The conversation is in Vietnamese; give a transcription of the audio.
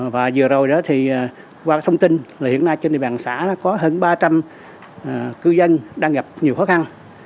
và vừa rồi đó thì qua thông tin là hiện nay trên địa bàn xã có hơn ba trăm linh cư dân đang gặp nhiều khó khăn